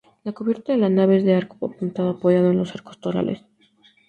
La cubierta de la nave es de arco apuntado apoyado en los arcos torales.